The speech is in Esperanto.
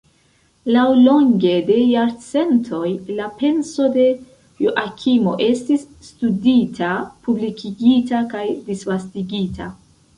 Laŭlonge de jarcentoj la penso de Joakimo estis studita, publikigita kaj disvastigita.